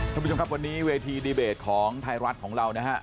ท่านผู้ชมครับวันนี้เวทีดีเบตของไทยรัฐของเรานะฮะ